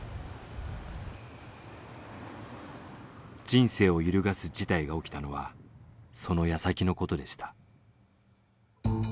人生を揺るがす事態が起きたのはその矢先のことでした。